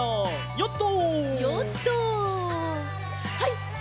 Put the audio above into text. ヨット！